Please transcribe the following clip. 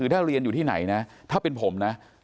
ถ้าเรียนอยู่ที่ไหนนะถ้าเป็นผมนะ